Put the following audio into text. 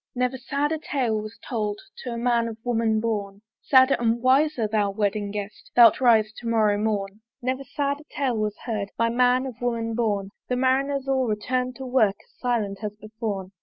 Never sadder tale was told To a man of woman born: Sadder and wiser thou wedding guest! Thou'lt rise to morrow morn. Never sadder tale was heard By a man of woman born: The Marineres all return'd to work As silent as beforne.